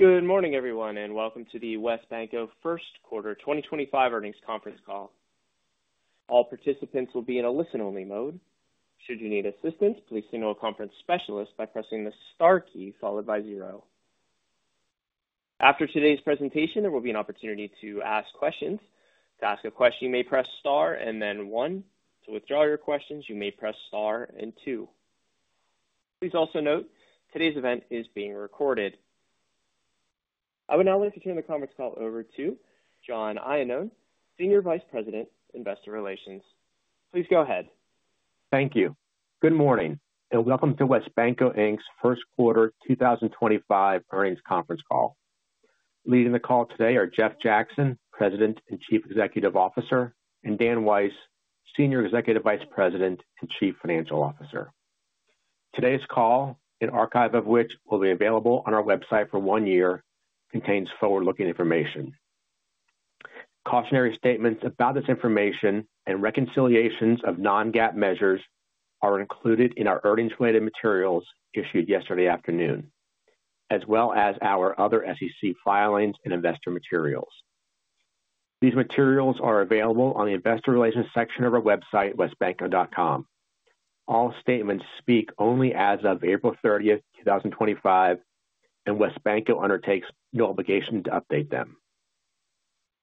Good morning, everyone, and welcome to the WesBanco first quarter 2025 earnings conference call. All participants will be in a listen-only mode. Should you need assistance, please signal a conference specialist by pressing the star key followed by zero. After today's presentation, there will be an opportunity to ask questions. To ask a question, you may press star, and then one. To withdraw your questions, you may press star and two. Please also note today's event is being recorded. I would now like to turn the conference call over to John Iannone, Senior Vice President, Investor Relations. Please go ahead. Thank you. Good morning, and welcome to WesBanco's first quarter 2025 earnings conference call. Leading the call today are Jeff Jackson, President and Chief Executive Officer, and Dan Weiss, Senior Executive Vice President and Chief Financial Officer. Today's call, an archive of which will be available on our website for one year, contains forward-looking information. Cautionary statements about this information and reconciliations of non-GAAP measures are included in our earnings-related materials issued yesterday afternoon, as well as our other SEC filings and investor materials. These materials are available on the Investor Relations section of our website, wesbanco.com. All statements speak only as of April 30th, 2025, and WesBanco undertakes no obligation to update them.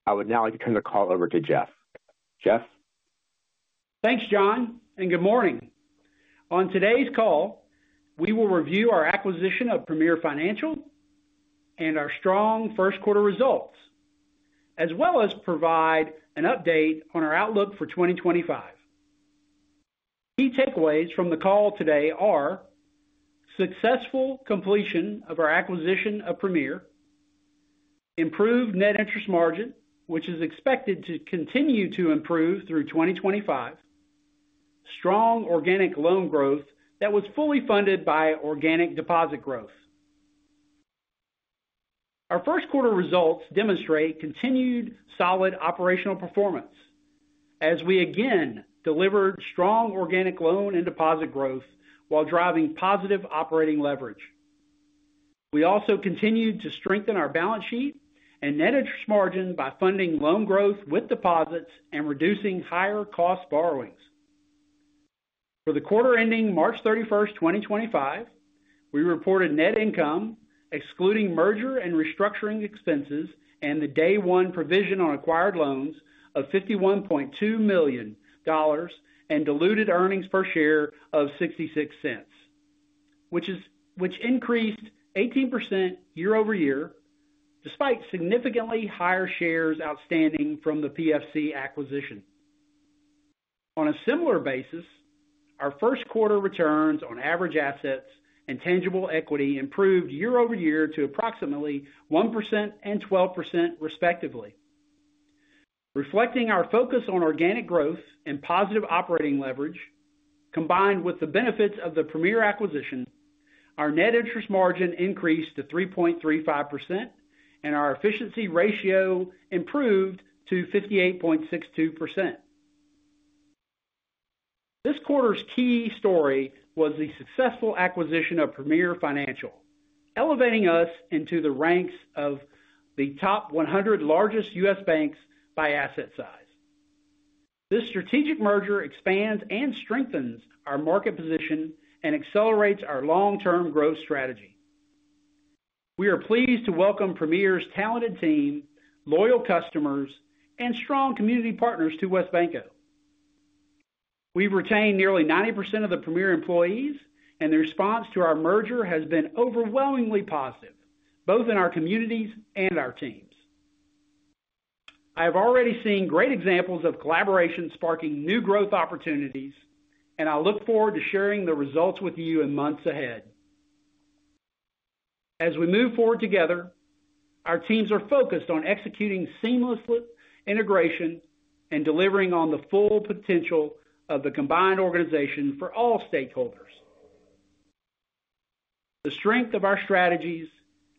I would now like to turn the call over to Jeff. Jeff? Thanks, John, and good morning. On today's call, we will review our acquisition of Premier Financial and our strong first quarter results, as well as provide an update on our outlook for 2025. Key takeaways from the call today are successful completion of our acquisition of Premier, improved net interest margin, which is expected to continue to improve through 2025, and strong organic loan growth that was fully funded by organic deposit growth. Our first quarter results demonstrate continued solid operational performance as we again delivered strong organic loan and deposit growth while driving positive operating leverage. We also continued to strengthen our balance sheet and net interest margin by funding loan growth with deposits and reducing higher-cost borrowings. For the quarter ending March 31st, 2025, we reported net income, excluding merger and restructuring expenses, and the Day 1 provision on acquired loans of $51.2 million and diluted earnings per share of $0.66, which increased 18% year-over-year, despite significantly higher shares outstanding from the PFC acquisition. On a similar basis, our first quarter returns on average assets and tangible equity improved year-over-year to approximately 1% and 12%, respectively. Reflecting our focus on organic growth and positive operating leverage, combined with the benefits of the Premier acquisition, our net interest margin increased to 3.35%, and our efficiency ratio improved to 58.62%. This quarter's key story was the successful acquisition of Premier Financial, elevating us into the ranks of the top 100 largest U.S. banks by asset size. This strategic merger expands and strengthens our market position and accelerates our long-term growth strategy. We are pleased to welcome Premier's talented team, loyal customers, and strong community partners to WesBanco. We've retained nearly 90% of the Premier employees, and the response to our merger has been overwhelmingly positive, both in our communities and our teams. I have already seen great examples of collaboration sparking new growth opportunities, and I look forward to sharing the results with you in months ahead. As we move forward together, our teams are focused on executing seamless integration and delivering on the full potential of the combined organization for all stakeholders. The strength of our strategies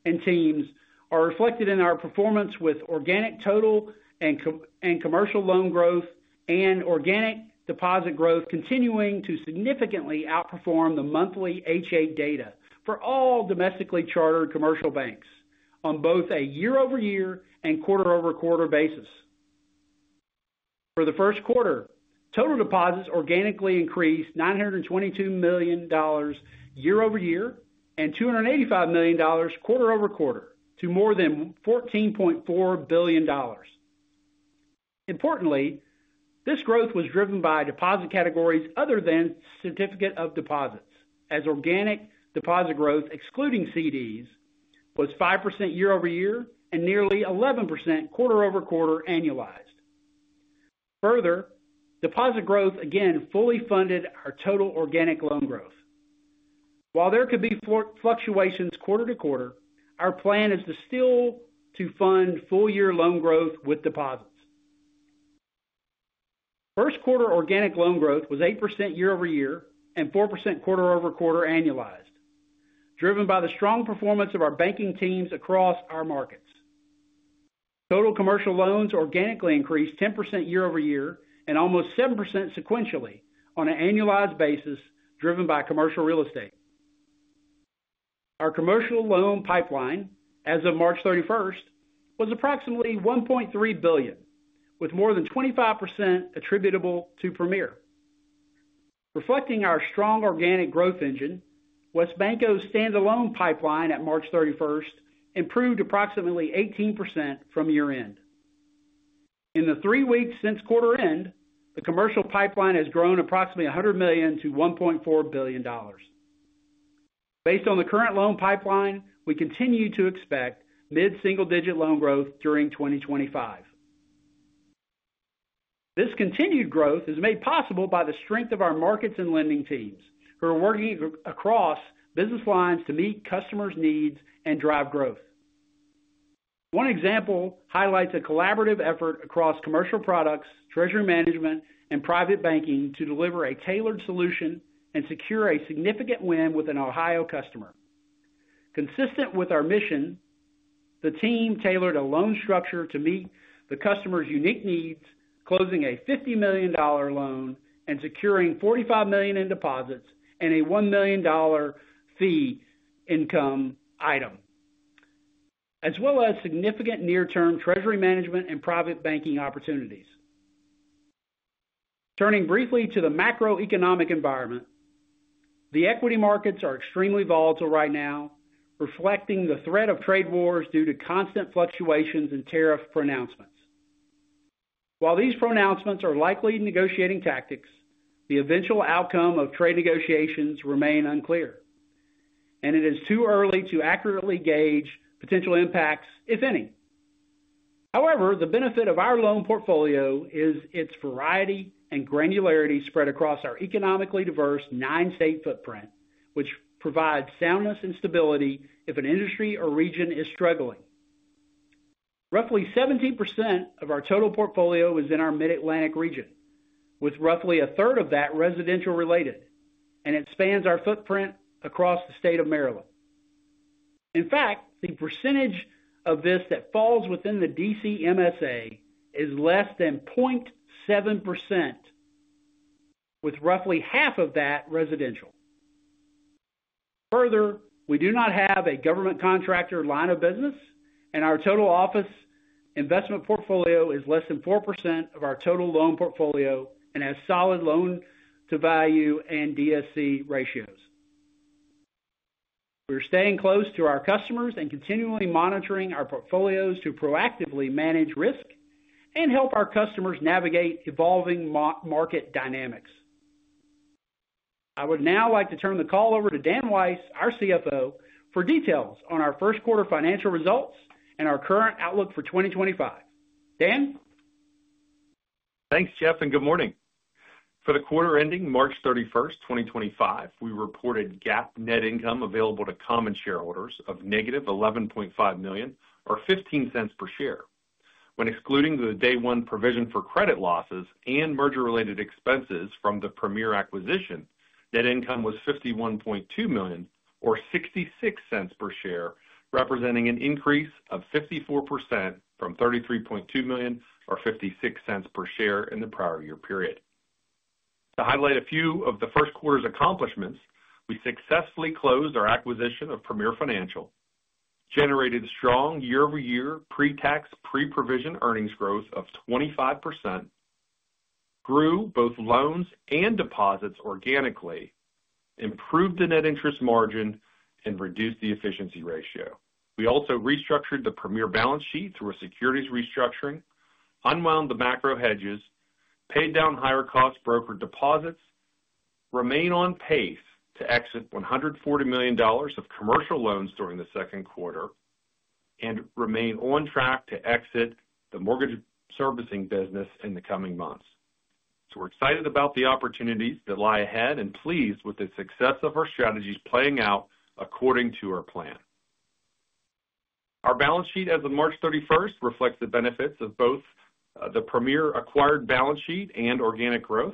and teams are reflected in our performance with organic total and commercial loan growth and organic deposit growth continuing to significantly outperform the monthly H.8 data for all domestically chartered commercial banks on both a year-over-year and quarter-over-quarter basis. For the first quarter, total deposits organically increased $922 million year-over-year and $285 million quarter-over-quarter to more than $14.4 billion. Importantly, this growth was driven by deposit categories other than certificate of deposits, as organic deposit growth, excluding CDs, was 5% year-over-year and nearly 11% quarter-over-quarter annualized. Further, deposit growth again fully funded our total organic loan growth. While there could be fluctuations quarter to quarter, our plan is still to fund full-year loan growth with deposits. First quarter organic loan growth was 8% year-over-year and 4% quarter-over-quarter annualized, driven by the strong performance of our banking teams across our markets. Total commercial loans organically increased 10% year-over-year and almost 7% sequentially on an annualized basis, driven by commercial real estate. Our commercial loan pipeline as of March 31st was approximately $1.3 billion, with more than 25% attributable to Premier. Reflecting our strong organic growth engine, WesBanco's standalone pipeline at March 31st improved approximately 18% from year-end. In the three weeks since quarter-end, the commercial pipeline has grown approximately $100 million to $1.4 billion. Based on the current loan pipeline, we continue to expect mid-single-digit loan growth during 2025. This continued growth is made possible by the strength of our markets and lending teams, who are working across business lines to meet customers' needs and drive growth. One example highlights a collaborative effort across commercial products, treasury management, and private banking to deliver a tailored solution and secure a significant win with an Ohio customer. Consistent with our mission, the team tailored a loan structure to meet the customer's unique needs, closing a $50 million loan and securing $45 million in deposits and a $1 million fee income item, as well as significant near-term treasury management and private banking opportunities. Turning briefly to the macroeconomic environment, the equity markets are extremely volatile right now, reflecting the threat of trade wars due to constant fluctuations in tariff pronouncements. While these pronouncements are likely negotiating tactics, the eventual outcome of trade negotiations remains unclear, and it is too early to accurately gauge potential impacts, if any. However, the benefit of our loan portfolio is its variety and granularity spread across our economically diverse nine-state footprint, which provides soundness and stability if an industry or region is struggling. Roughly 70% of our total portfolio is in our Mid-Atlantic region, with roughly a third of that residential-related, and it spans our footprint across the state of Maryland. In fact, the percentage of this that falls within the DC MSA is less than 0.7%, with roughly half of that residential. Further, we do not have a government contractor line of business, and our total office investment portfolio is less than 4% of our total loan portfolio and has solid loan-to-value and DSC ratios. We're staying close to our customers and continually monitoring our portfolios to proactively manage risk and help our customers navigate evolving market dynamics. I would now like to turn the call over to Dan Weiss, our CFO, for details on our first quarter financial results and our current outlook for 2025. Dan? Thanks, Jeff, and good morning. For the quarter ending March 31st, 2025, we reported GAAP net income available to common shareholders of -$11.5 million, or $0.15 per share. When excluding the Day 1 provision for credit losses and merger-related expenses from the Premier acquisition, net income was $51.2 million, or $0.66 per share, representing an increase of 54% from $33.2 million, or $0.56 per share in the prior year period. To highlight a few of the first quarter's accomplishments, we successfully closed our acquisition of Premier Financial, generated strong year-over-year pre-tax, pre-provision earnings growth of 25%, grew both loans and deposits organically, improved the net interest margin, and reduced the efficiency ratio. We also restructured the Premier balance sheet through a securities restructuring, unwound the macro hedges, paid down higher-cost brokered deposits, remained on pace to exit $140 million of commercial loans during the second quarter, and remained on track to exit the mortgage servicing business in the coming months. We are excited about the opportunities that lie ahead and pleased with the success of our strategies playing out according to our plan. Our balance sheet as of March 31st reflects the benefits of both the Premier acquired balance sheet and organic growth.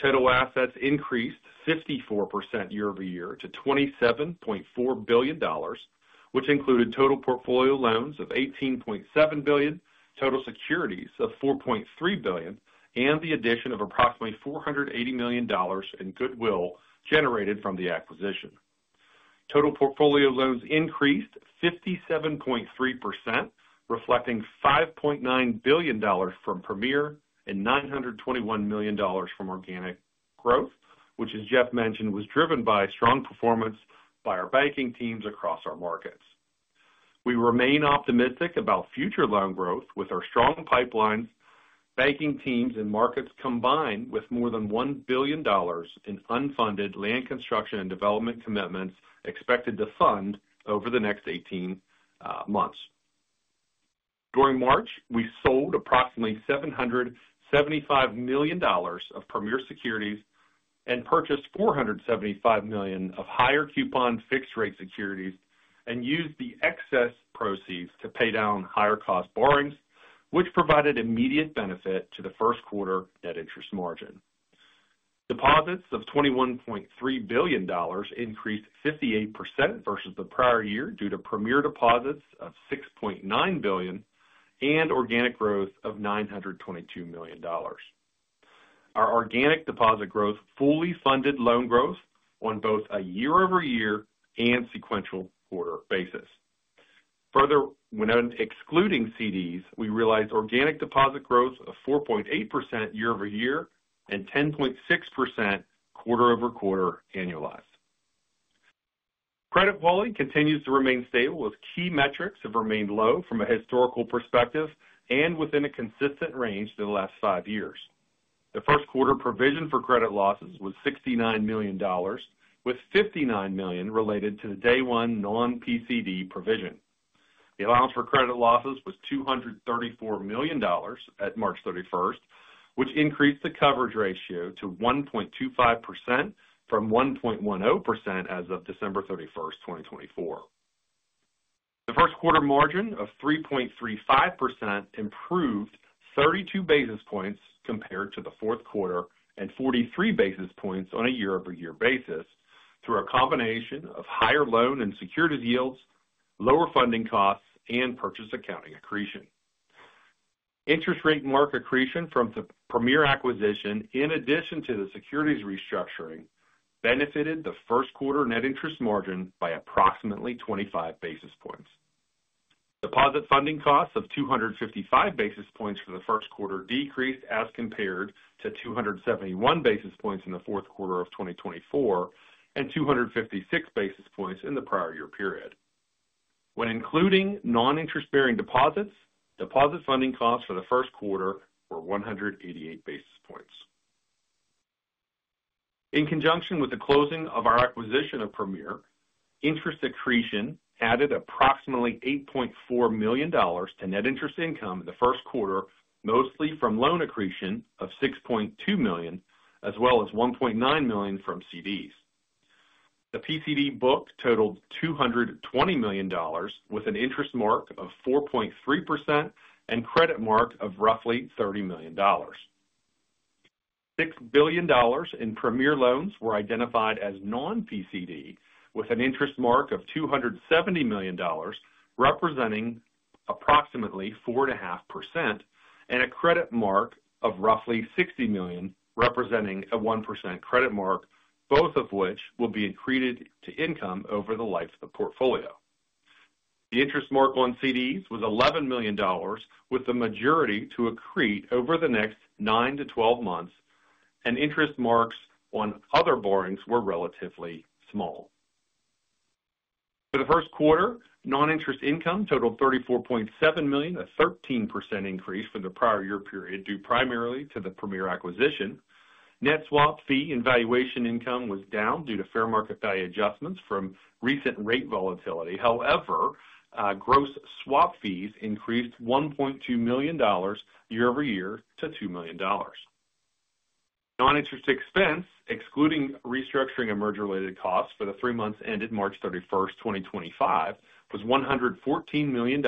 Total assets increased 54% year-over-year to $27.4 billion, which included total portfolio loans of $18.7 billion, total securities of $4.3 billion, and the addition of approximately $480 million in goodwill generated from the acquisition. Total portfolio loans increased 57.3%, reflecting $5.9 billion from Premier and $921 million from organic growth, which, as Jeff mentioned, was driven by strong performance by our banking teams across our markets. We remain optimistic about future loan growth with our strong pipelines, banking teams, and markets combined, with more than $1 billion in unfunded land construction and development commitments expected to fund over the next 18 months. During March, we sold approximately $775 million of Premier securities and purchased $475 million of higher coupon fixed-rate securities and used the excess proceeds to pay down higher-cost borrowings, which provided immediate benefit to the first quarter net interest margin. Deposits of $21.3 billion increased 58% versus the prior year due to Premier deposits of $6.9 billion and organic growth of $922 million. Our organic deposit growth fully funded loan growth on both a year-over-year and sequential quarter basis. Further, when excluding CDs, we realized organic deposit growth of 4.8% year-over-year and 10.6% quarter-over-quarter annualized. Credit quality continues to remain stable, with key metrics that have remained low from a historical perspective and within a consistent range the last five years. The first quarter provision for credit losses was $69 million, with $59 million related to the Day 1 non-PCD provision. The allowance for credit losses was $234 million at March 31st, which increased the coverage ratio to 1.25% from 1.10% as of December 31st, 2024. The first quarter margin of 3.35% improved 32 basis points compared to the fourth quarter and 43 basis points on a year-over-year basis through a combination of higher loan and securities yields, lower funding costs, and purchase accounting accretion. Interest rate mark accretion from the Premier acquisition, in addition to the securities restructuring, benefited the first quarter net interest margin by approximately 25 basis points. Deposit funding costs of 255 basis points for the first quarter decreased as compared to 271 basis points in the fourth quarter of 2024 and 256 basis points in the prior year period. When including non-interest-bearing deposits, deposit funding costs for the first quarter were 188 basis points. In conjunction with the closing of our acquisition of Premier, interest accretion added approximately $8.4 million to net interest income in the first quarter, mostly from loan accretion of $6.2 million, as well as $1.9 million from CDs. The PCD book totaled $220 million, with an interest mark of 4.3% and credit mark of roughly $30 million. $6 billion in Premier loans were identified as non-PCD, with an interest mark of $270 million, representing approximately 4.5%, and a credit mark of roughly $60 million, representing a 1% credit mark, both of which will be accreted to income over the life of the portfolio. The interest mark on CDs was $11 million, with the majority to accrete over the next 9-12 months, and interest marks on other borrowings were relatively small. For the first quarter, non-interest income totaled $34.7 million, a 13% increase from the prior year period due primarily to the Premier acquisition. Net swap fee and valuation income was down due to fair market value adjustments from recent rate volatility. However, gross swap fees increased $1.2 million year-over-year to $2 million. Non-interest expense, excluding restructuring and merger-related costs for the three months ended March 31st, 2025, was $114 million,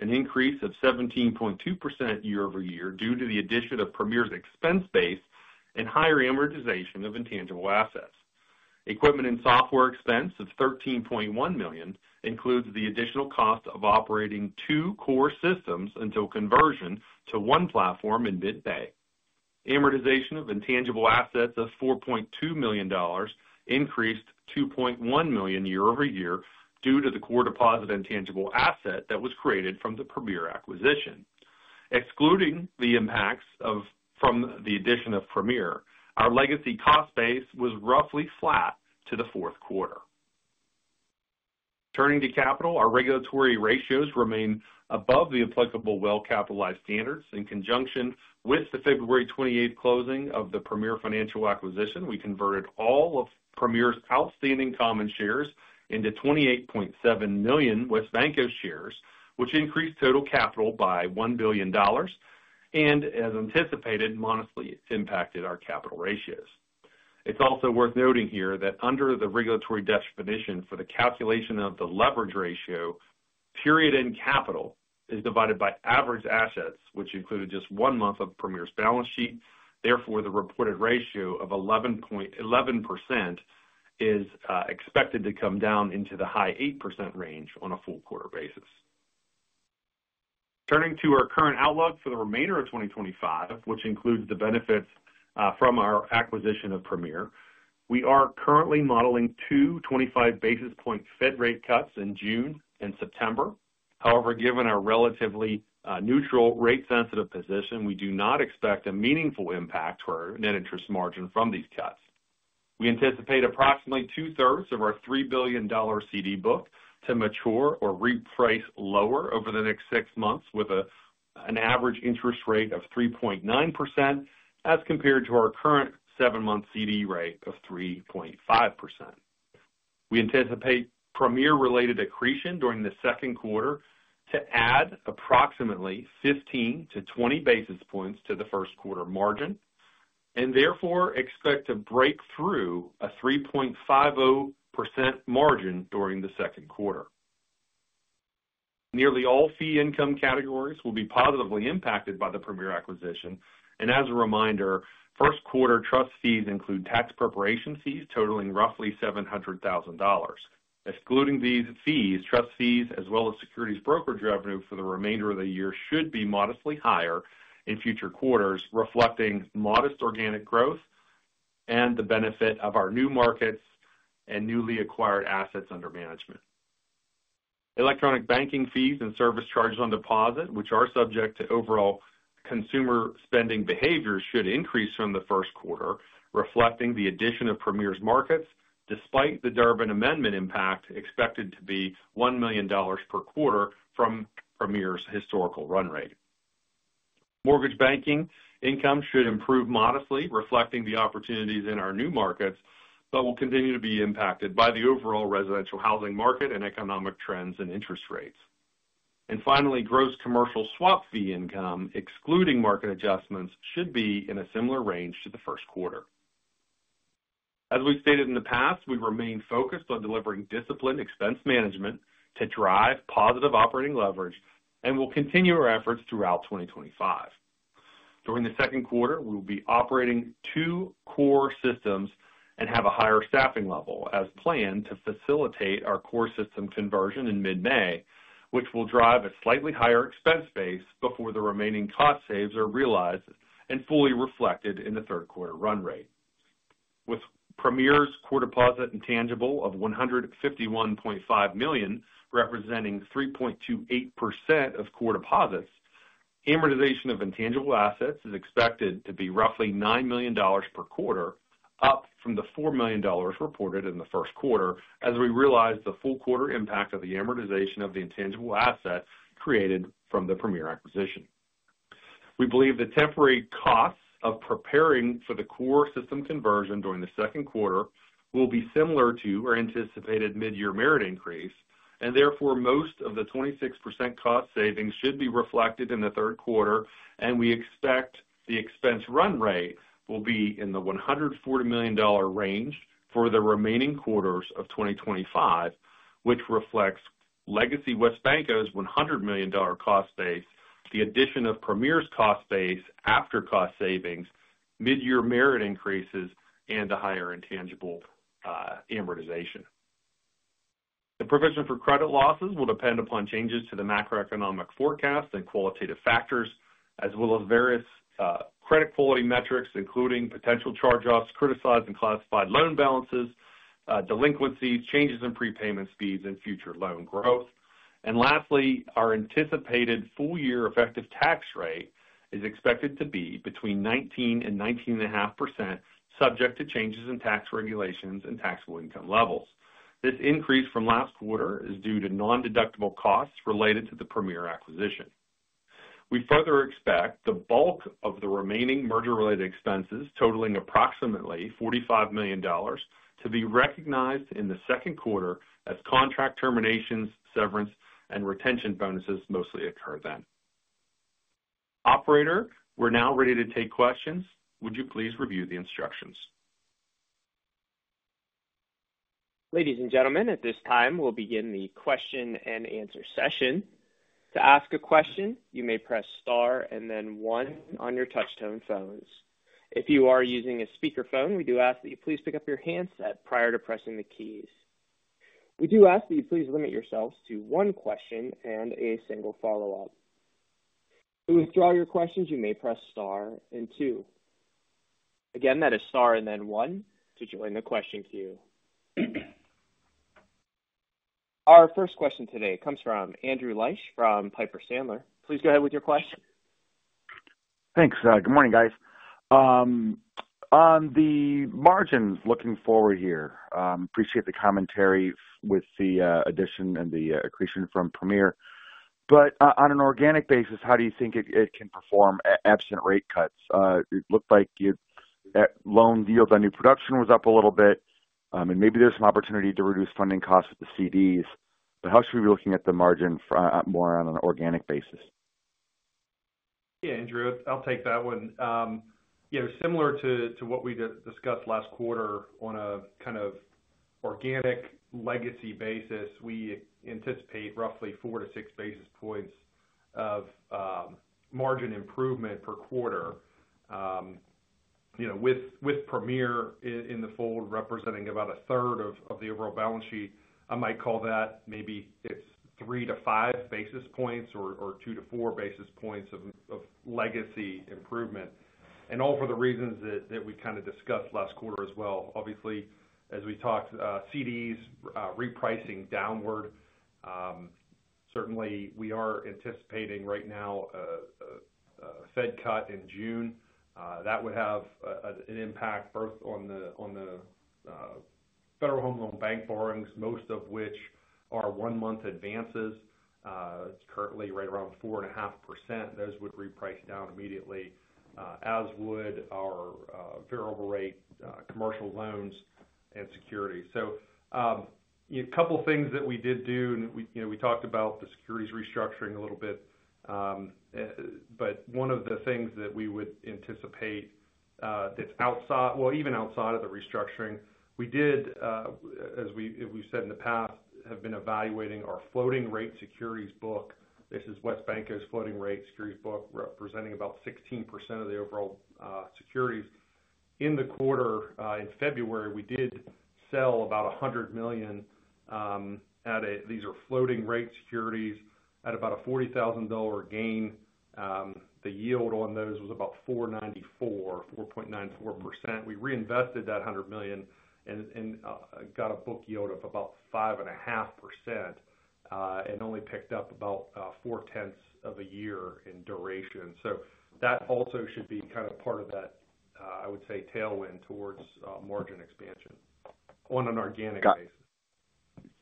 an increase of 17.2% year-over-year due to the addition of Premier's expense base and higher amortization of intangible assets. Equipment and software expense of $13.1 million includes the additional cost of operating two core systems until conversion to one platform in mid-May. Amortization of intangible assets of $4.2 million increased $2.1 million year-over-year due to the core deposit intangible asset that was created from the Premier acquisition. Excluding the impacts from the addition of Premier, our legacy cost base was roughly flat to the fourth quarter. Turning to capital, our regulatory ratios remain above the applicable well-capitalized standards. In conjunction with the February 28 closing of the Premier Financial acquisition, we converted all of Premier's outstanding common shares into $28.7 million WesBanco shares, which increased total capital by $1 billion and, as anticipated, modestly impacted our capital ratios. It's also worth noting here that under the regulatory definition for the calculation of the leverage ratio, period-end capital is divided by average assets, which included just one month of Premier's balance sheet. Therefore, the reported ratio of 11% is expected to come down into the high 8% range on a full quarter basis. Turning to our current outlook for the remainder of 2025, which includes the benefits from our acquisition of Premier, we are currently modeling two 25 basis point Fed rate cuts in June and September. However, given our relatively neutral rate-sensitive position, we do not expect a meaningful impact to our net interest margin from these cuts. We anticipate approximately 2/3 of our $3 billion CD book to mature or reprice lower over the next six months, with an average interest rate of 3.9% as compared to our current seven-month CD rate of 3.5%. We anticipate Premier-related accretion during the second quarter to add approximately 15-20 basis points to the first quarter margin and therefore expect to break through a 3.50% margin during the second quarter. Nearly all fee income categories will be positively impacted by the Premier acquisition. As a reminder, first quarter trust fees include tax preparation fees totaling roughly $700,000. Excluding these fees, trust fees, as well as securities brokerage revenue for the remainder of the year, should be modestly higher in future quarters, reflecting modest organic growth and the benefit of our new markets and newly acquired assets under management. Electronic banking fees and service charges on deposit, which are subject to overall consumer spending behavior, should increase from the first quarter, reflecting the addition of Premier's markets despite the Durbin Amendment impact expected to be $1 million per quarter from Premier's historical run rate. Mortgage banking income should improve modestly, reflecting the opportunities in our new markets, but will continue to be impacted by the overall residential housing market and economic trends in interest rates. Finally, gross commercial swap fee income, excluding market adjustments, should be in a similar range to the first quarter. As we've stated in the past, we remain focused on delivering disciplined expense management to drive positive operating leverage and will continue our efforts throughout 2025. During the second quarter, we will be operating two core systems and have a higher staffing level as planned to facilitate our core system conversion in mid-May, which will drive a slightly higher expense base before the remaining cost saves are realized and fully reflected in the third quarter run rate. With Premier's core deposit intangible of $151.5 million, representing 3.28% of core deposits, amortization of intangible assets is expected to be roughly $9 million per quarter, up from the $4 million reported in the first quarter, as we realize the full quarter impact of the amortization of the intangible asset created from the Premier acquisition. We believe the temporary costs of preparing for the core system conversion during the second quarter will be similar to our anticipated mid-year merit increase, and therefore most of the 26% cost savings should be reflected in the third quarter, and we expect the expense run rate will be in the $140 million range for the remaining quarters of 2025, which reflects legacy WesBanco's $100 million cost base, the addition of Premier's cost base after cost savings, mid-year merit increases, and the higher intangible amortization. The provision for credit losses will depend upon changes to the macroeconomic forecast and qualitative factors, as well as various credit quality metrics, including potential charge-offs, criticized and classified loan balances, delinquencies, changes in prepayment speeds, and future loan growth. Lastly, our anticipated full-year effective tax rate is expected to be between 19% and 19.5%, subject to changes in tax regulations and taxable income levels. This increase from last quarter is due to non-deductible costs related to the Premier acquisition. We further expect the bulk of the remaining merger-related expenses, totaling approximately $45 million, to be recognized in the second quarter as contract terminations, severance, and retention bonuses mostly occur then. Operator, we are now ready to take questions. Would you please review the instructions? Ladies and gentlemen, at this time, we will begin the question-and-answer session. To ask a question, you may press star and then One on your touchtone phones. If you are using a speakerphone, we do ask that you please pick up your handset prior to pressing the keys. We do ask that you please limit yourselves to one question and a single follow-up. To withdraw your questions, you may press star and two. Again, that is star and then one to join the question queue. Our first question today comes from Andrew Liesch from Piper Sandler. Please go ahead with your question. Thanks. Good morning, guys. On the margins, looking forward here, appreciate the commentary with the addition and the accretion from Premier. On an organic basis, how do you think it can perform absent rate cuts? It looked like loan yield on new production was up a little bit, and maybe there's some opportunity to reduce funding costs with the CDs. How should we be looking at the margin more on an organic basis? Yeah, Andrew, I'll take that one. Similar to what we discussed last quarter, on a kind of organic legacy basis, we anticipate roughly four to six basis points of margin improvement per quarter. With Premier in the fold representing about a third of the overall balance sheet, I might call that maybe it's three to five basis points or two to four basis points of legacy improvement, and all for the reasons that we kind of discussed last quarter as well. Obviously, as we talked, CDs repricing downward. Certainly, we are anticipating right now a Fed cut in June. That would have an impact both on the Federal Home Loan Bank borrowings, most of which are one-month advances. It's currently right around 4.5%. Those would reprice down immediately, as would our variable-rate commercial loans and securities. A couple of things that we did do, and we talked about the securities restructuring a little bit, but one of the things that we would anticipate that's outside—even outside of the restructuring—we did, as we've said in the past, have been evaluating our floating-rate securities book. This is WesBanco's floating-rate securities book, representing about 16% of the overall securities. In the quarter, in February, we did sell about $100 million. These are floating-rate securities at about a $40,000 gain. The yield on those was about 4.94%. We reinvested that $100 million and got a book yield of about 5.5% and only picked up about four-tenths of a year in duration. That also should be kind of part of that, I would say, tailwind towards margin expansion on an organic basis. Got it.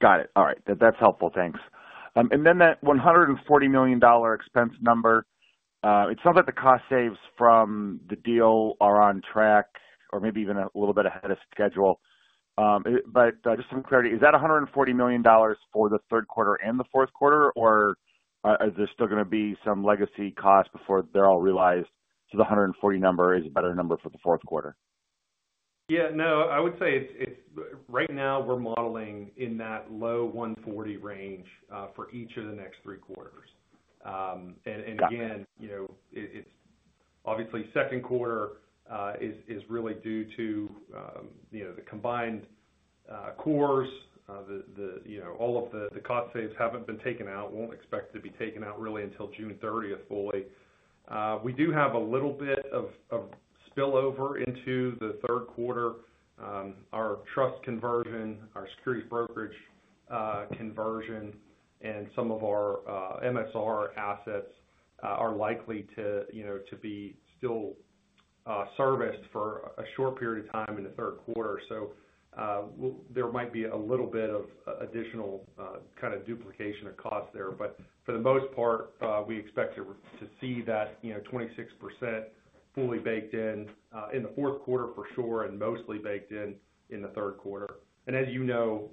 Got it. All right. That's helpful. Thanks. That $140 million expense number, it sounds like the cost saves from the deal are on track or maybe even a little bit ahead of schedule. Just some clarity, is that $140 million for the third quarter and the fourth quarter, or are there still going to be some legacy costs before they're all realized? The $140 million number is a better number for the fourth quarter. Yeah. I would say right now we're modeling in that low $140 million range for each of the next three quarters. Again, obviously, second quarter is really due to the combined cores. All of the cost saves haven't been taken out. We won't expect to be taken out really until June 30th fully. We do have a little bit of spillover into the third quarter. Our trust conversion, our securities brokerage conversion, and some of our MSR assets are likely to be still serviced for a short period of time in the third quarter. There might be a little bit of additional kind of duplication of costs there. For the most part, we expect to see that 26% fully baked in in the fourth quarter for sure and mostly baked in in the third quarter. As you know,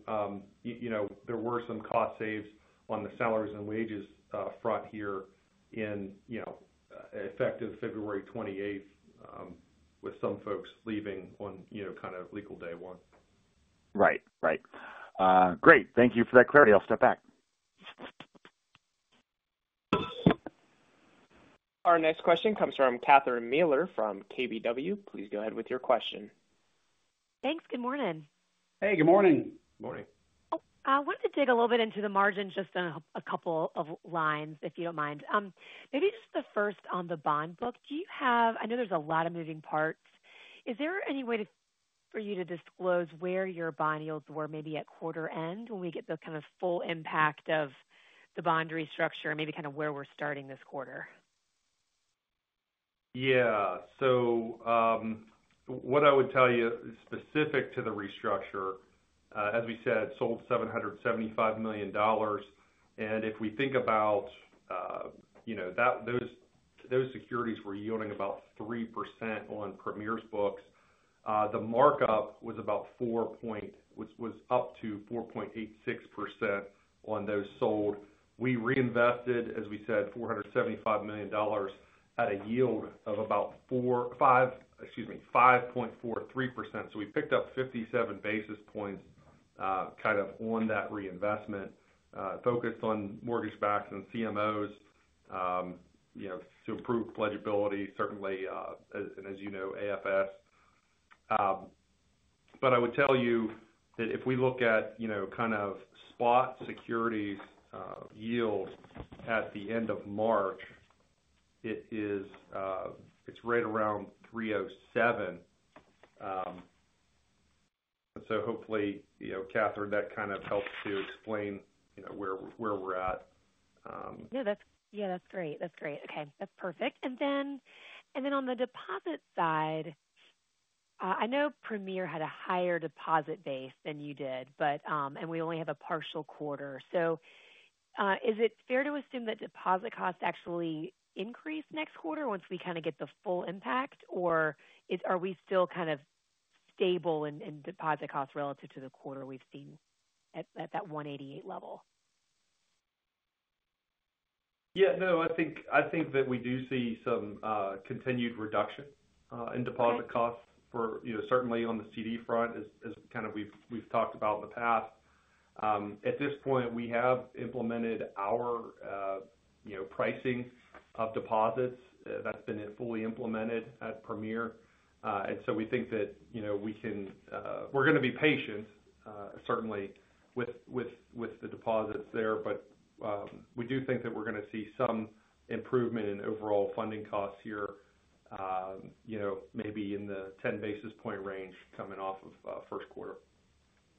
there were some cost saves on the salaries and wages front here in effective February 28, with some folks leaving on kind of legal day one. Right. Right. Great. Thank you for that clarity. I'll step back. Our next question comes from Catherine Mealor from KBW. Please go ahead with your question. Thanks. Good morning. Hey. Good morning. Good morning. I wanted to dig a little bit into the margins, just a couple of lines, if you do not mind. Maybe just the first on the bond book. I know there is a lot of moving parts. Is there any way for you to disclose where your bond yields were maybe at quarter end when we get the kind of full impact of the bond restructure, maybe kind of where we are starting this quarter? Yeah. What I would tell you specific to the restructure, as we said, sold $775 million. If we think about those securities, they were yielding about 3% on Premier's books, the markup was about 4.86% on those sold. We reinvested, as we said, $475 million at a yield of about 5.43%. We picked up 57 basis points kind of on that reinvestment, focused on mortgage-backed and CMOs to improve pledgeability, certainly, and as you know, AFS. I would tell you that if we look at kind of spot securities yield at the end of March, it's right around 3.07. Hopefully, Catherine, that kind of helps to explain where we're at. Yeah. That's great. That's great. Okay. That's perfect. On the deposit side, I know Premier had a higher deposit base than you did, and we only have a partial quarter. Is it fair to assume that deposit costs actually increase next quarter once we kind of get the full impact, or are we still kind of stable in deposit costs relative to the quarter we've seen at that 1.88 level? Yeah. No, I think that we do see some continued reduction in deposit costs, certainly on the CD front, as kind of we've talked about in the past. At this point, we have implemented our pricing of deposits. That's been fully implemented at Premier. We think that we can—we're going to be patient, certainly, with the deposits there, but we do think that we're going to see some improvement in overall funding costs here, maybe in the 10 basis point range coming off of first quarter.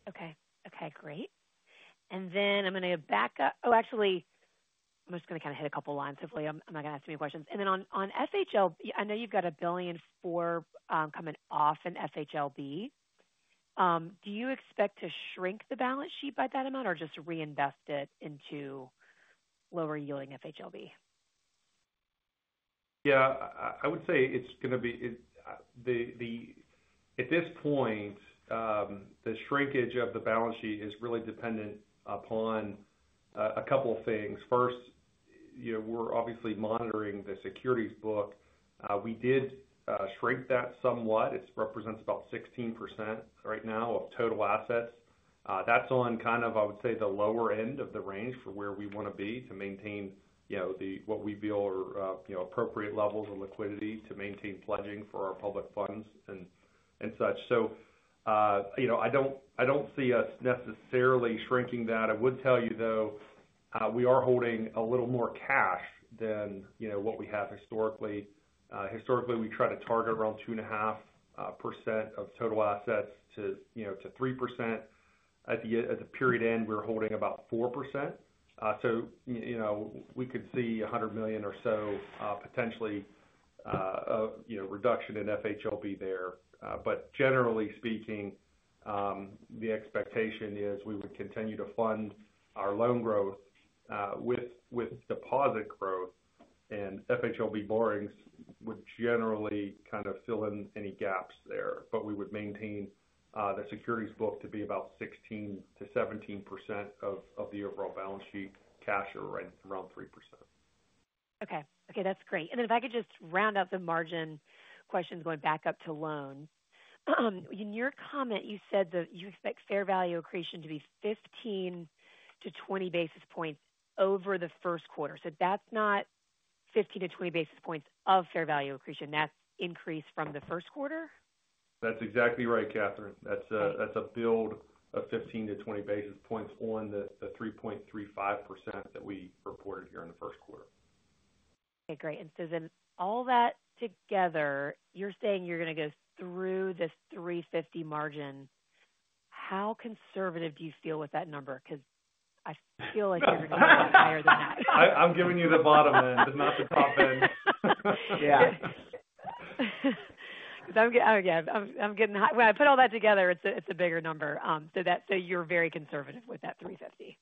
Okay. Okay. Great. I'm going to back up—oh, actually, I'm just going to kind of hit a couple of lines. Hopefully, I'm not going to ask too many questions. On FHLB, I know you've got a billion coming off in FHLB. Do you expect to shrink the balance sheet by that amount or just reinvest it into lower-yielding FHLB? Yeah. I would say it's going to be, at this point, the shrinkage of the balance sheet is really dependent upon a couple of things. First, we're obviously monitoring the securities book. We did shrink that somewhat. It represents about 16% right now of total assets. That's on kind of, I would say, the lower end of the range for where we want to be to maintain what we feel are appropriate levels of liquidity to maintain pledging for our public funds and such. I don't see us necessarily shrinking that. I would tell you, though, we are holding a little more cash than what we have historically. Historically, we try to target around 2.5% of total assets to 3%. At the period end, we're holding about 4%. We could see $100 million or so potentially of reduction in FHLB there. Generally speaking, the expectation is we would continue to fund our loan growth with deposit growth, and FHLB borrowings would generally kind of fill in any gaps there. We would maintain the securities book to be about 16%-17% of the overall balance sheet, cash or around 3%. Okay. Okay. That's great. If I could just round up the margin questions going back up to loan. In your comment, you said that you expect fair value accretion to be 15-20 basis points over the first quarter. So that's not 15-20 basis points of fair value accretion. That's increased from the first quarter? That's exactly right, Catherine. That's a build of 15-20 basis points on the 3.35% that we reported here in the first quarter. Okay. Great. And so then all that together, you're saying you're going to go through this 3.50 margin. How conservative do you feel with that number? Because I feel like you're going to get higher than that. I'm giving you the bottom end, not the top end. Yeah. Okay. I'm getting—when I put all that together, it's a bigger number. So you're very conservative with that 3.50.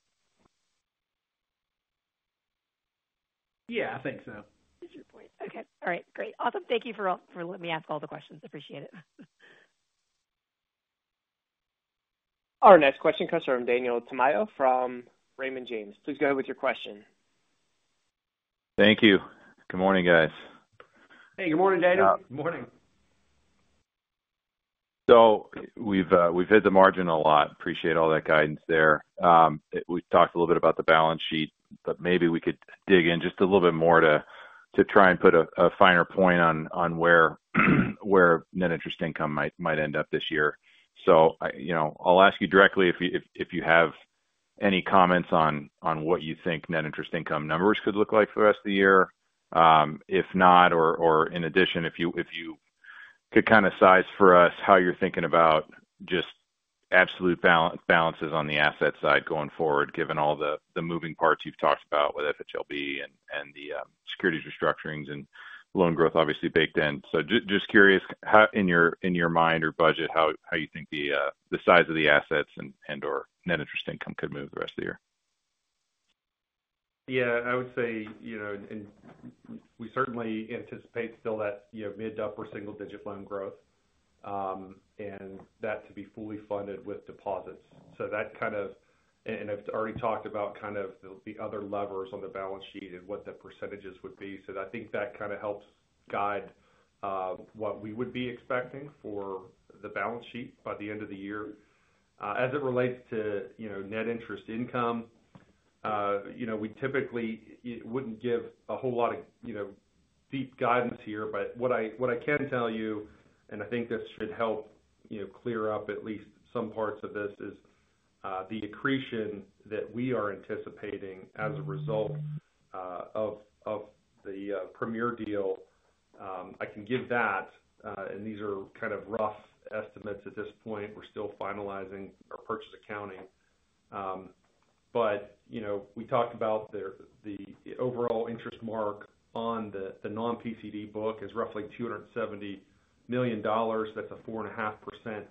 Yeah. I think so. That's a good point. Okay. All right. Great. Awesome. Thank you for letting me ask all the questions. Appreciate it. Our next question comes from Daniel Tamayo from Raymond James. Please go ahead with your question. Thank you. Good morning, guys. Hey. Good morning, Daniel. Good morning. We've hit the margin a lot. Appreciate all that guidance there. We talked a little bit about the balance sheet, but maybe we could dig in just a little bit more to try and put a finer point on where net interest income might end up this year. I'll ask you directly if you have any comments on what you think net interest income numbers could look like for the rest of the year. If not, or in addition, if you could kind of size for us how you're thinking about just absolute balances on the asset side going forward, given all the moving parts you've talked about with FHLB and the securities restructurings and loan growth obviously baked in. Just curious, in your mind or budget, how you think the size of the assets and/or net interest income could move the rest of the year. Yeah. I would say we certainly anticipate still that mid-upper single-digit loan growth and that to be fully funded with deposits. That kind of—and I have already talked about kind of the other levers on the balance sheet and what the percentages would be. I think that kind of helps guide what we would be expecting for the balance sheet by the end of the year. As it relates to net interest income, we typically would not give a whole lot of deep guidance here, but what I can tell you, and I think this should help clear up at least some parts of this, is the accretion that we are anticipating as a result of the Premier deal. I can give that, and these are kind of rough estimates at this point. We are still finalizing our purchase accounting. We talked about the overall interest mark on the non-PCD book is roughly $270 million. That's a 4.5%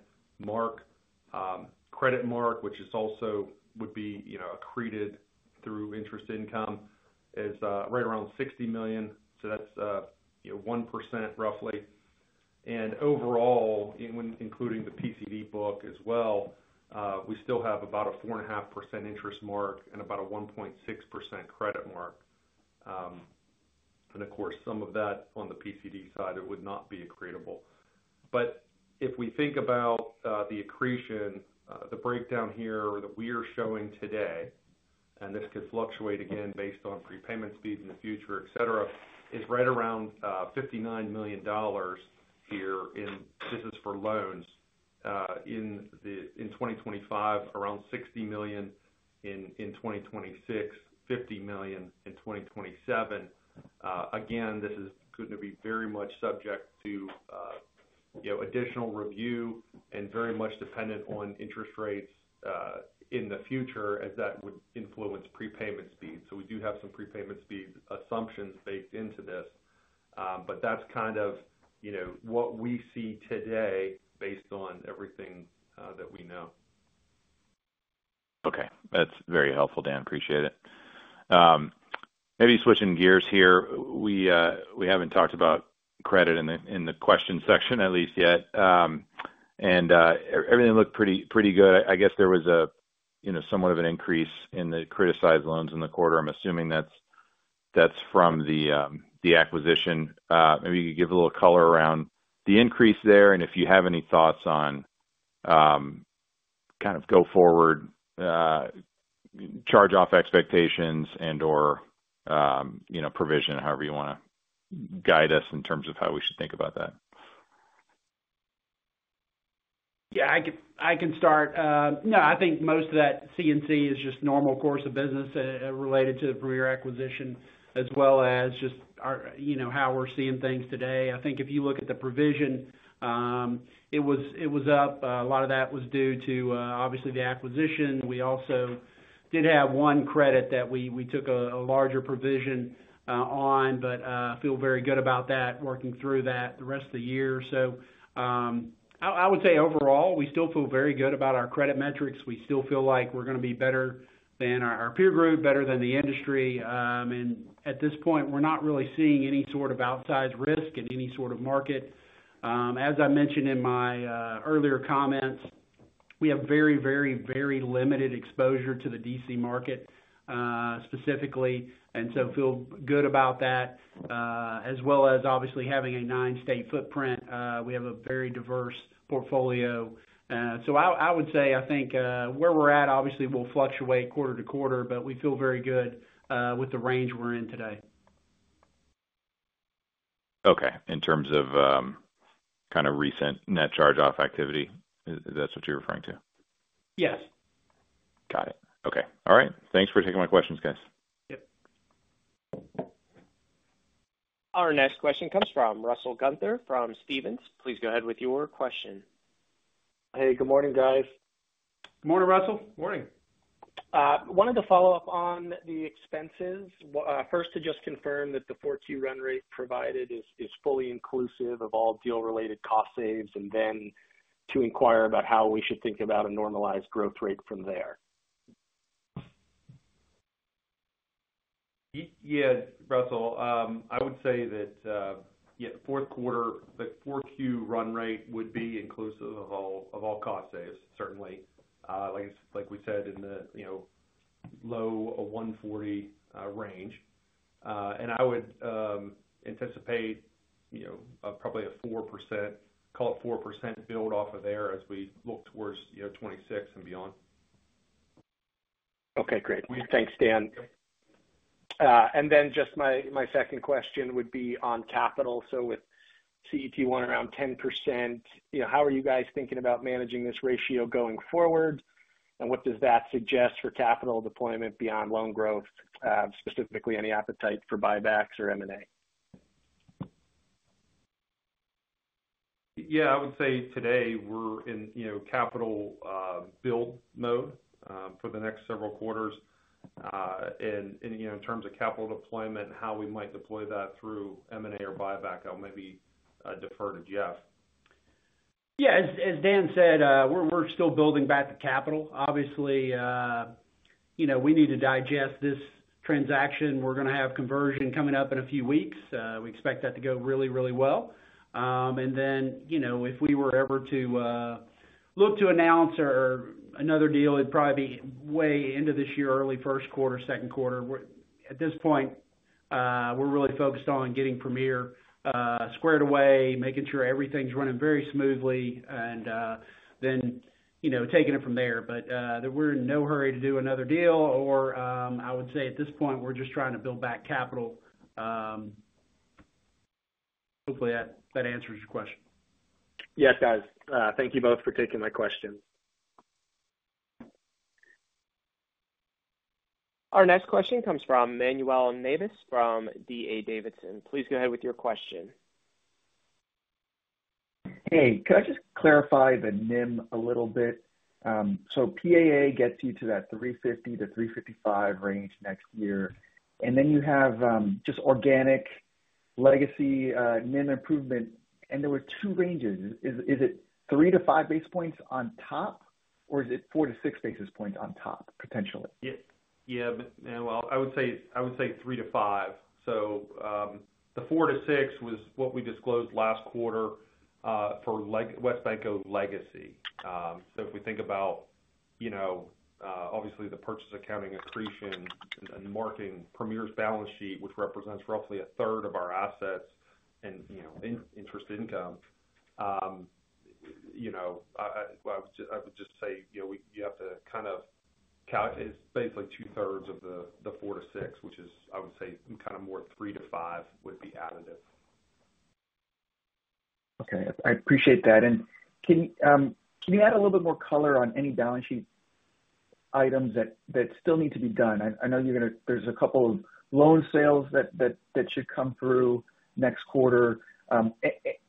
mark. Credit mark, which also would be accreted through interest income, is right around $60 million. So that's 1% roughly. Overall, including the PCD book as well, we still have about a 4.5% interest mark and about a 1.6% credit mark. Of course, some of that on the PCD side would not be accretable. If we think about the accretion, the breakdown here that we are showing today, and this could fluctuate again based on prepayment speed in the future, etc., is right around $59 million here. This is for loans in 2025, around $60 million in 2026, $50 million in 2027. Again, this is going to be very much subject to additional review and very much dependent on interest rates in the future, as that would influence prepayment speed. We do have some prepayment speed assumptions baked into this. That is kind of what we see today based on everything that we know. Okay. That is very helpful, Dan. Appreciate it. Maybe switching gears here. We have not talked about credit in the question section at least yet. Everything looked pretty good. I guess there was somewhat of an increase in the criticized loans in the quarter. I am assuming that is from the acquisition. Maybe you could give a little color around the increase there, and if you have any thoughts on kind of go forward, charge-off expectations and/or provision, however you want to guide us in terms of how we should think about that. Yeah. I can start. No, I think most of that CNC is just normal course of business related to the Premier acquisition, as well as just how we're seeing things today. I think if you look at the provision, it was up. A lot of that was due to, obviously, the acquisition. We also did have one credit that we took a larger provision on, but feel very good about that, working through that the rest of the year. I would say overall, we still feel very good about our credit metrics. We still feel like we're going to be better than our peer group, better than the industry. At this point, we're not really seeing any sort of outsized risk in any sort of market. As I mentioned in my earlier comments, we have very, very, very limited exposure to the DC market specifically, and so feel good about that, as well as obviously having a nine-state footprint. We have a very diverse portfolio. I would say, I think where we're at, obviously, will fluctuate quarter to quarter, but we feel very good with the range we're in today. Okay. In terms of kind of recent net charge-off activity, is that what you're referring to? Yes. Got it. Okay. All right. Thanks for taking my questions, guys. Yep. Our next question comes from Russell Gunther from Stephens. Please go ahead with your question. Hey. Good morning, guys. Good morning, Russell. Morning. Wanted to follow up on the expenses. First, to just confirm that the 4Q run rate provided is fully inclusive of all deal-related cost saves, and then to inquire about how we should think about a normalized growth rate from there. Yeah. Russell, I would say that, yeah, the 4Q run rate would be inclusive of all cost saves, certainly, like we said, in the low 140 range. I would anticipate probably a 4%, call it 4% build-off of there as we look towards 2026 and beyond. Okay. Great. Thanks, Dan. My second question would be on capital. With CET1 around 10%, how are you guys thinking about managing this ratio going forward, and what does that suggest for capital deployment beyond loan growth, specifically any appetite for buybacks or M&A? Yeah. I would say today we're in capital build mode for the next several quarters. In terms of capital deployment, how we might deploy that through M&A or buyback, I'll maybe defer to Jeff. Yeah. As Dan said, we're still building back the capital. Obviously, we need to digest this transaction. We're going to have conversion coming up in a few weeks. We expect that to go really, really well. If we were ever to look to announce another deal, it'd probably be way into this year, early first quarter, second quarter. At this point, we're really focused on getting Premier squared away, making sure everything's running very smoothly, and then taking it from there. We're in no hurry to do another deal, or I would say at this point, we're just trying to build back capital. Hopefully, that answers your question. Yes, guys. Thank you both for taking my question. Our next question comes from Manuel Navas from D.A. Davidson. Please go ahead with your question. Hey. Could I just clarify the NIM a little bit? PAA gets you to that 350-355 range next year. You have just organic legacy NIM improvement. There were two ranges. Is it three to five basis points on top, or is it four to six basis points on top, potentially? Yeah. I would say three to five. The four to six was what we disclosed last quarter for WesBanco legacy. If we think about, obviously, the purchase accounting accretion and marking Premier's balance sheet, which represents roughly a third of our assets and interest income, I would just say you have to kind of, it is basically 2/3 of the four to six, which is, I would say, kind of more three to five would be additive. Okay. I appreciate that. Can you add a little bit more color on any balance sheet items that still need to be done? I know there's a couple of loan sales that should come through next quarter.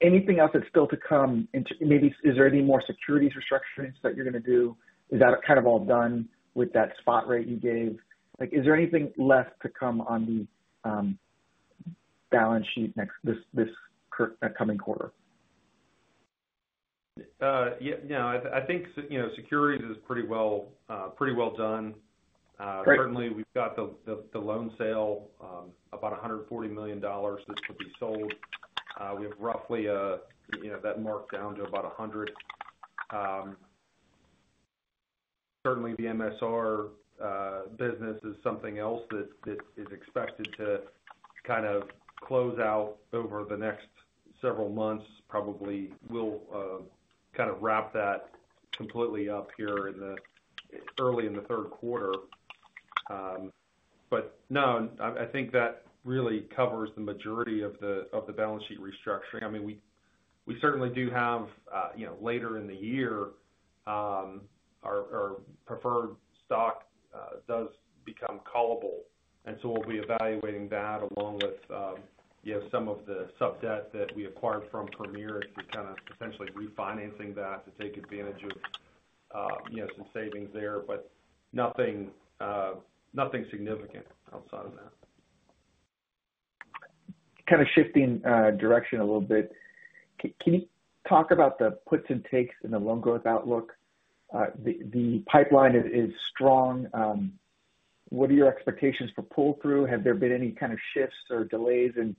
Anything else that's still to come? Maybe is there any more securities restructurings that you're going to do? Is that kind of all done with that spot rate you gave? Is there anything left to come on the balance sheet this coming quarter? Yeah. No. I think securities is pretty well done. Certainly, we've got the loan sale, about $140 million that could be sold. We have roughly that marked down to about $100 million. Certainly, the MSR business is something else that is expected to kind of close out over the next several months. Probably we'll kind of wrap that completely up here early in the third quarter. No, I think that really covers the majority of the balance sheet restructuring. I mean, we certainly do have later in the year, our preferred stock does become callable. We will be evaluating that along with some of the sub-debt that we acquired from Premier to kind of potentially refinancing that to take advantage of some savings there, but nothing significant outside of that. Kind of shifting direction a little bit. Can you talk about the puts and takes in the loan growth outlook? The pipeline is strong. What are your expectations for pull-through? Have there been any kind of shifts or delays in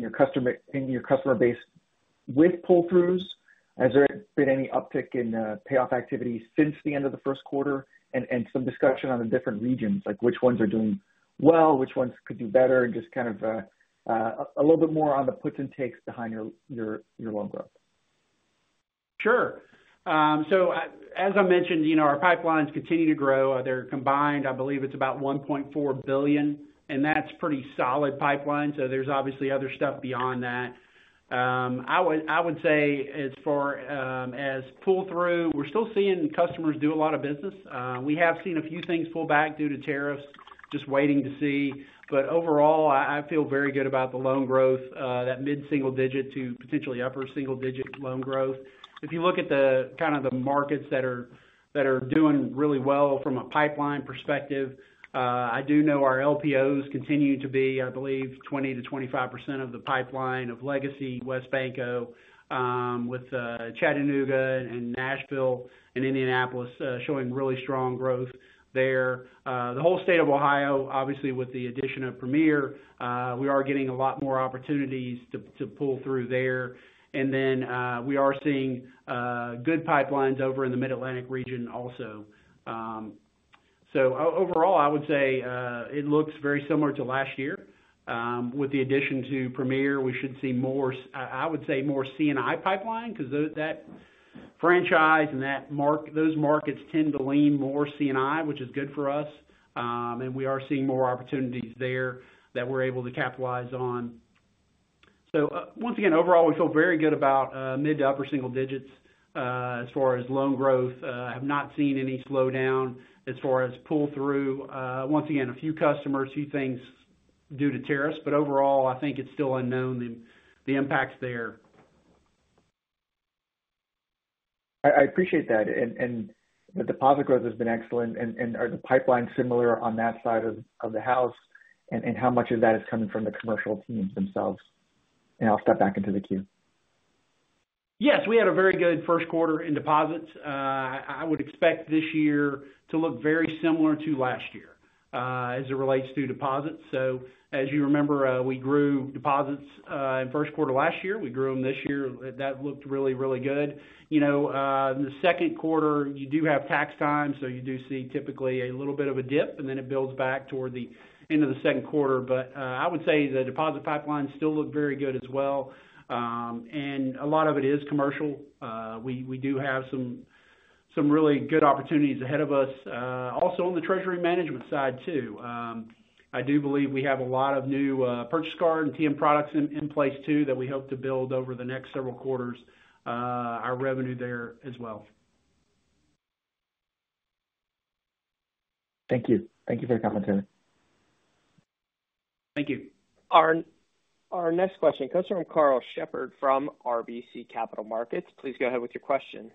your customer base with pull-throughs? Has there been any uptick in payoff activity since the end of the first quarter? Some discussion on the different regions, like which ones are doing well, which ones could do better, and just kind of a little bit more on the puts and takes behind your loan growth. Sure. As I mentioned, our pipelines continue to grow. They're combined, I believe it's about $1.4 billion, and that's a pretty solid pipeline. There's obviously other stuff beyond that. I would say as far as pull-through, we're still seeing customers do a lot of business. We have seen a few things pull back due to tariffs, just waiting to see. Overall, I feel very good about the loan growth, that mid-single digit to potentially upper single digit loan growth. If you look at the kind of the markets that are doing really well from a pipeline perspective, I do know our LPOs continue to be, I believe, 20-25% of the pipeline of legacy WesBanco, with Chattanooga and Nashville and Indianapolis showing really strong growth there. The whole state of Ohio, obviously, with the addition of Premier, we are getting a lot more opportunities to pull through there. We are seeing good pipelines over in the Mid-Atlantic region also. Overall, I would say it looks very similar to last year. With the addition to Premier, we should see more, I would say, more C&I pipeline because that franchise and those markets tend to lean more C&I, which is good for us. We are seeing more opportunities there that we're able to capitalize on. Once again, overall, we feel very good about mid to upper single digits as far as loan growth. I have not seen any slowdown as far as pull-through. Once again, a few customers, a few things due to tariffs. Overall, I think it's still unknown the impact there. I appreciate that. The deposit growth has been excellent. Are the pipelines similar on that side of the house? How much of that is coming from the commercial teams themselves? I'll step back into the queue. Yes. We had a very good first quarter in deposits. I would expect this year to look very similar to last year as it relates to deposits. As you remember, we grew deposits in first quarter last year. We grew them this year. That looked really, really good. The second quarter, you do have tax time, so you do see typically a little bit of a dip, and then it builds back toward the end of the second quarter. I would say the deposit pipeline still looked very good as well. A lot of it is commercial. We do have some really good opportunities ahead of us. Also on the treasury management side too, I do believe we have a lot of new purchase card and TM products in place too that we hope to build over the next several quarters our revenue there as well. Thank you. Thank you for your commentary. Thank you. Our next question comes from Karl Shepherd from RBC Capital Markets. Please go ahead with your question.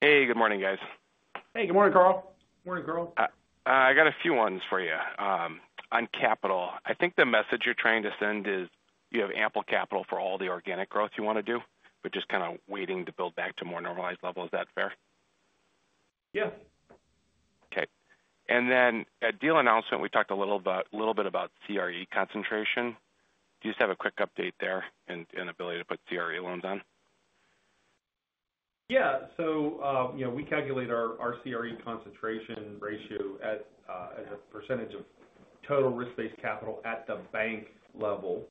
Hey. Good morning, guys. Hey. Good morning, Carl. Morning, Carl. I got a few ones for you. On capital, I think the message you're trying to send is you have ample capital for all the organic growth you want to do, but just kind of waiting to build back to more normalized level. Is that fair? Yes. Okay. At deal announcement, we talked a little bit about CRE concentration. Do you just have a quick update there and ability to put CRE loans on? Yeah. We calculate our CRE concentration ratio as a percentage of total risk-based capital at the bank level.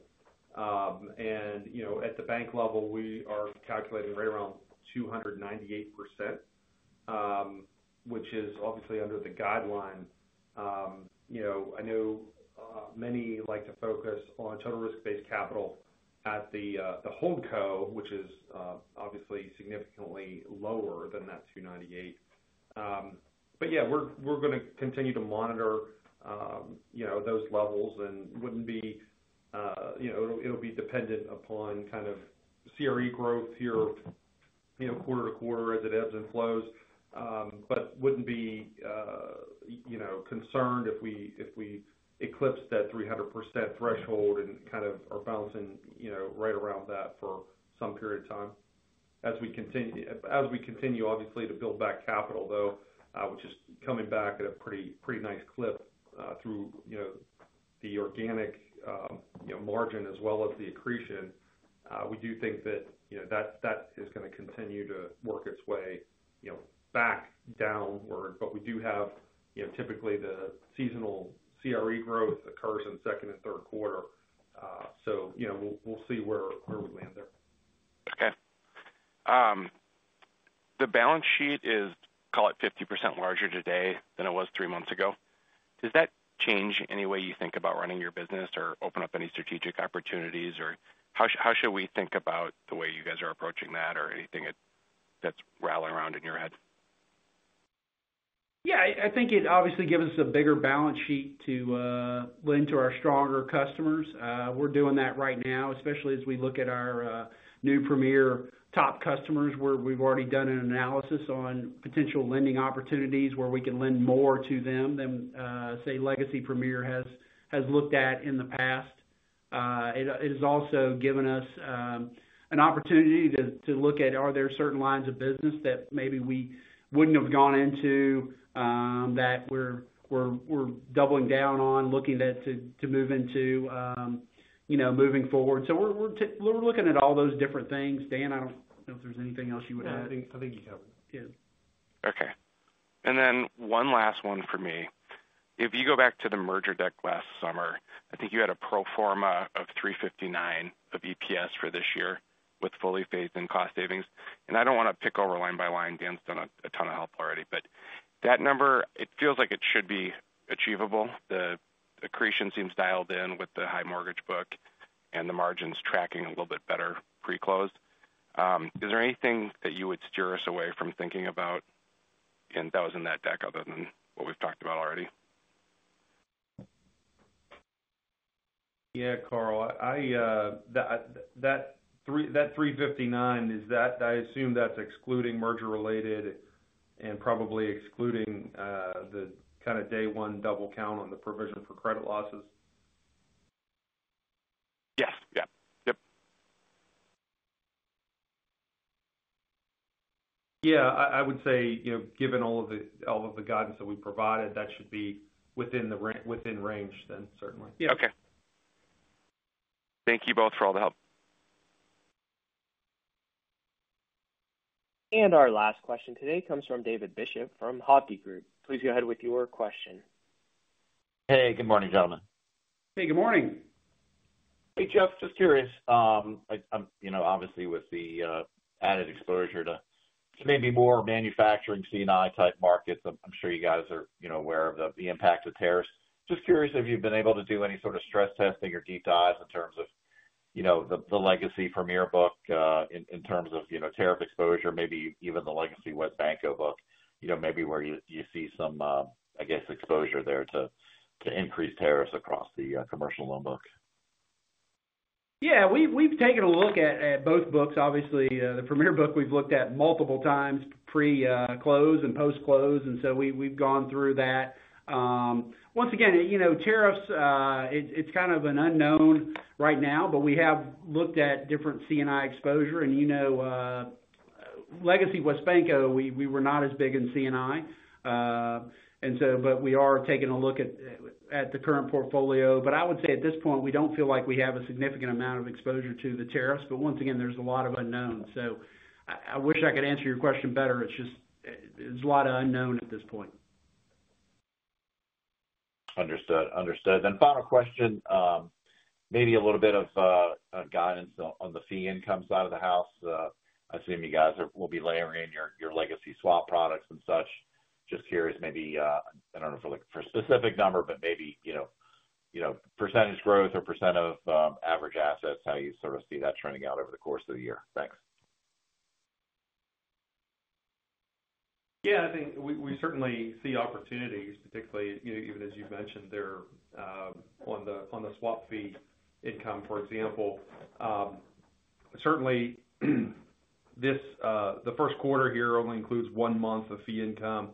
At the bank level, we are calculating right around 298%, which is obviously under the guideline. I know many like to focus on total risk-based capital at the Holdco, which is obviously significantly lower than that 298%. Yeah, we're going to continue to monitor those levels and it'll be dependent upon kind of CRE growth here quarter to quarter as it ebbs and flows, but wouldn't be concerned if we eclipse that 300% threshold and kind of are bouncing right around that for some period of time as we continue, obviously, to build back capital, though, which is coming back at a pretty nice clip through the organic margin as well as the accretion. We do think that that is going to continue to work its way back downward, but we do have typically the seasonal CRE growth occurs in second and third quarter. We'll see where we land there. Okay. The balance sheet is, call it, 50% larger today than it was three months ago. Does that change any way you think about running your business or open up any strategic opportunities? Or how should we think about the way you guys are approaching that or anything that's rattling around in your head? Yeah. I think it obviously gives us a bigger balance sheet to lend to our stronger customers. We're doing that right now, especially as we look at our new Premier top customers where we've already done an analysis on potential lending opportunities where we can lend more to them than, say, Legacy Premier has looked at in the past. It has also given us an opportunity to look at, are there certain lines of business that maybe we wouldn't have gone into that we're doubling down on, looking at to move into moving forward? We are looking at all those different things. Dan, I don't know if there's anything else you would add. I think you covered it. Yeah. Okay. And then one last one for me. If you go back to the merger deck last summer, I think you had a pro forma of $3.59 of EPS for this year with fully phased-in cost savings. I do not want to pick over line by line. Dan's done a ton of help already. That number, it feels like it should be achievable. The accretion seems dialed in with the high mortgage book and the margins tracking a little bit better pre-closed. Is there anything that you would steer us away from thinking about that was in that deck other than what we've talked about already? Yeah, Karl. That $3.59, I assume that's excluding merger-related and probably excluding the kind of Day 1 double count on the provision for credit losses. Yes. Yeah. Yep. I would say, given all of the guidance that we provided, that should be within range then, certainly. Yeah. Okay. Thank you both for all the help. Our last question today comes from David Bishop from Hovde Group. Please go ahead with your question. Hey. Good morning, gentlemen. Hey. Good morning. Hey, Jeff. Just curious. Obviously, with the added exposure to maybe more manufacturing C&I type markets, I'm sure you guys are aware of the impact of tariffs. Just curious if you've been able to do any sort of stress testing or deep dives in terms of the legacy Premier book in terms of tariff exposure, maybe even the legacy WesBanco book, maybe where you see some, I guess, exposure there to increased tariffs across the commercial loan book. Yeah. We've taken a look at both books. Obviously, the Premier book we've looked at multiple times pre-close and post-close. We've gone through that. Once again, tariffs, it's kind of an unknown right now, but we have looked at different C&I exposure. legacy WesBanco, we were not as big in C&I. We are taking a look at the current portfolio. I would say at this point, we do not feel like we have a significant amount of exposure to the tariffs. Once again, there is a lot of unknowns. I wish I could answer your question better. It is just there is a lot of unknown at this point. Understood. Understood. Final question, maybe a little bit of guidance on the fee income side of the house. I assume you guys will be layering your legacy swap products and such. Just curious, maybe I do not know for a specific number, but maybe percentage growth or percent of average assets, how you sort of see that trending out over the course of the year. Thanks. Yeah. I think we certainly see opportunities, particularly even as you have mentioned there on the swap fee income, for example. Certainly, the first quarter here only includes one month of fee income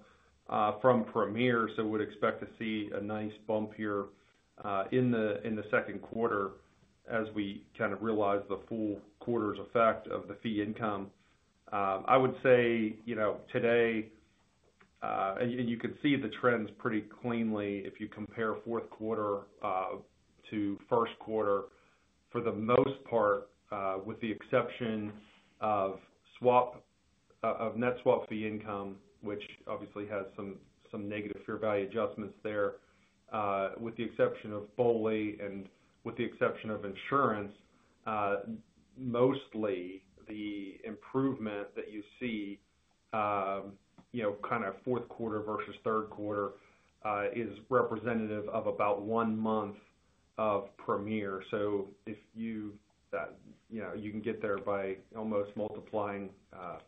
from Premier. So we would expect to see a nice bump here in the second quarter as we kind of realize the full quarter's effect of the fee income. I would say today, and you can see the trends pretty cleanly if you compare fourth quarter to first quarter for the most part, with the exception of net swap fee income, which obviously has some negative fair value adjustments there, with the exception of BOLI and with the exception of insurance, mostly the improvement that you see kind of fourth quarter versus third quarter is representative of about one month of Premier. You can get there by almost multiplying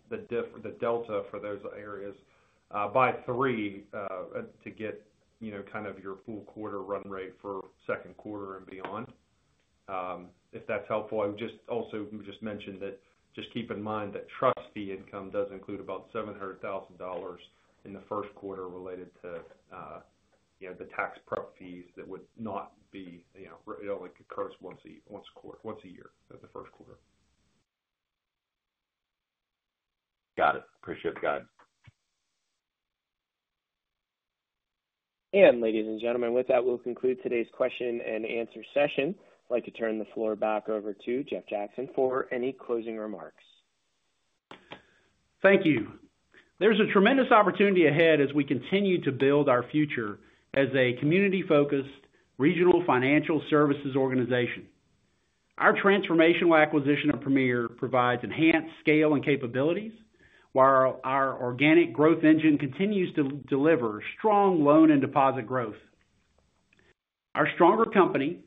the delta for those areas by three to get kind of your full quarter run rate for second quarter and beyond, if that's helpful. I would just also just mention that just keep in mind that trust fee income does include about $700,000 in the first quarter related to the tax prep fees that would not be, it only occurs once a year in the first quarter. Got it. Appreciate it. Got it. Ladies and gentlemen, with that, we'll conclude today's question and answer session. I'd like to turn the floor back over to Jeff Jackson for any closing remarks. Thank you. There's a tremendous opportunity ahead as we continue to build our future as a community-focused regional financial services organization. Our transformational acquisition of Premier provides enhanced scale and capabilities while our organic growth engine continues to deliver strong loan and deposit growth. Our stronger company,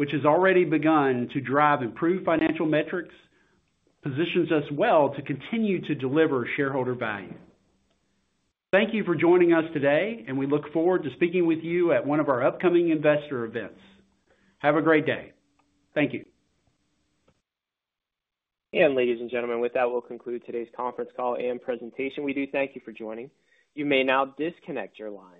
which has already begun to drive improved financial metrics, positions us well to continue to deliver shareholder value. Thank you for joining us today, and we look forward to speaking with you at one of our upcoming investor events. Have a great day. Thank you. Ladies and gentlemen, with that, we'll conclude today's conference call and presentation. We do thank you for joining. You may now disconnect your line.